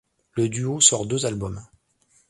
Le duo sort deux albums.